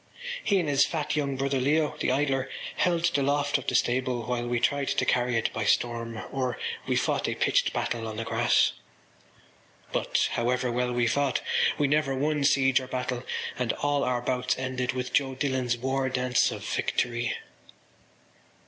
He and his fat young brother Leo, the idler, held the loft of the stable while we tried to carry it by storm; or we fought a pitched battle on the grass. But, however well we fought, we never won siege or battle and all our bouts ended with Joe Dillon’s war dance of victory.